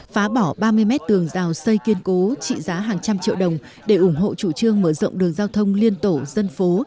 phá bỏ ba mươi mét tường rào xây kiên cố trị giá hàng trăm triệu đồng để ủng hộ chủ trương mở rộng đường giao thông liên tổ dân phố